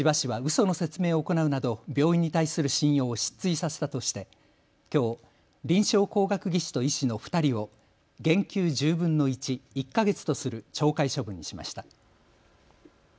その説明を行うなど病院に対する信用を失墜させたとして、きょう臨床工学技士と医師の２人を減給１０分の１、１か月とする懲戒処分にしました。